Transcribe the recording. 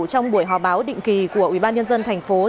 trong buổi hòa báo định kỳ của ubnd thành phố